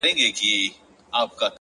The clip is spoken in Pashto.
د تمرکز دوام بریا تضمینوي!